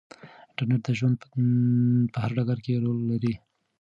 انټرنیټ د ژوند په هر ډګر کې رول لري.